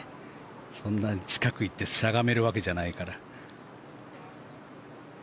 そんなに近く行ってしゃがめるわけじゃないから。